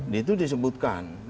di itu disebutkan